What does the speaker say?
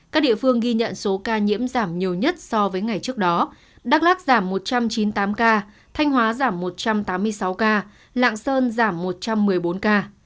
các địa phương ghi nhận số ca nhiễm giảm nhiều nhất so với ngày trước đó đắk lắc giảm một trăm chín mươi tám ca thanh hóa giảm một trăm tám mươi sáu ca lạng sơn giảm một trăm một mươi bốn ca